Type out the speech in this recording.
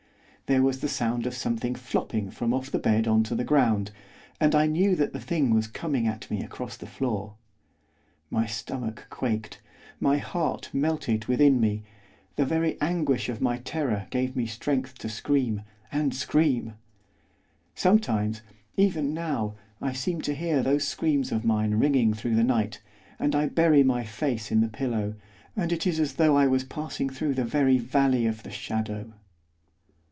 There was the sound of something flopping from off the bed on to the ground, and I knew that the thing was coming at me across the floor. My stomach quaked, my heart melted within me, the very anguish of my terror gave me strength to scream, and scream! Sometimes, even now, I seem to hear those screams of mine ringing through the night, and I bury my face in the pillow, and it is as though I was passing through the very Valley of the Shadow.